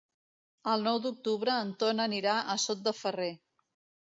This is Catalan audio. El nou d'octubre en Ton anirà a Sot de Ferrer.